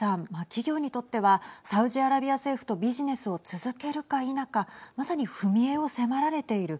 企業にとってはサウジアラビア政府とビジネスを続けるか否かまさに踏み絵を迫られている。